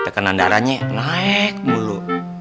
tekenan darahnya naek mulu